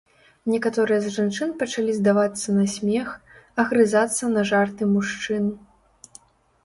Некаторыя з жанчын пачалі здавацца на смех, агрызацца на жарты мужчын.